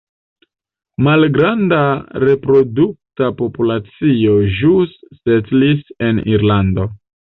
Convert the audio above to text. Malgranda reprodukta populacio ĵus setlis en Irlando.